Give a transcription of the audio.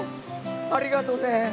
ありがとね。